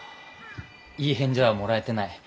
いい返事はもらえてない。